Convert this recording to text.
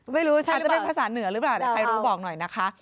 ไม่รู้อาจจะเป็นภาษาเหนือหรือเปล่าแต่ใครรู้บอกหน่อยนะคะ